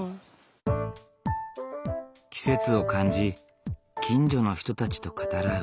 季節を感じ近所の人たちと語らう。